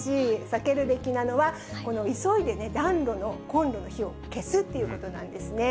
避けるべきなのは、この急いでね、コンロの火を消すってことなんですね。